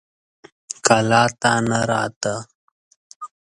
کلا ته نه راته.